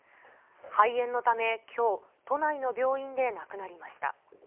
肺炎のため、きょう、都内の病院で亡くなりました。